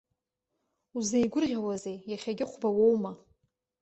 Узеигәырӷьауазеи, иахьагьы хәба уоума?